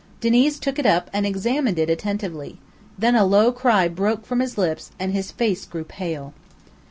Diniz took it up and examined it attentively, then a low cry broke from his lips, and his face grew pale.